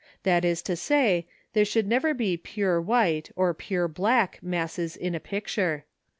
That is to say, there should never be pure white or pure black masses in a picture.